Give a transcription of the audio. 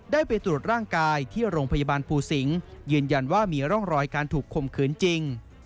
ได้ไปตรวจร่างกายที่โรงพยาบาลภูสิงศ์ยืนยันว่ามีร่องรอยการถูกคมขืนจริง